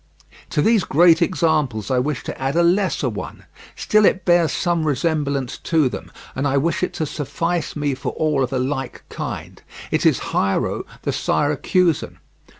To these great examples I wish to add a lesser one; still it bears some resemblance to them, and I wish it to suffice me for all of a like kind: it is Hiero the Syracusan.